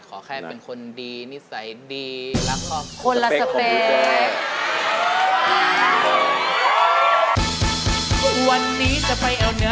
ขอแค่เป็นคนดีนิสัยดีรักของคน